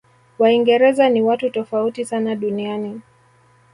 waingereza ni watu tofauti sana duniani